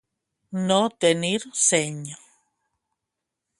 No tenir seny.